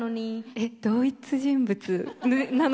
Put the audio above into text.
えっ同一人物なの？